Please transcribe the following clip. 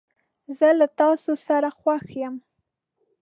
زه له تاسو سره خوښ یم.